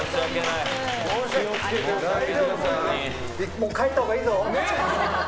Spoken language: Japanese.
もう帰ったほうがいいぞ！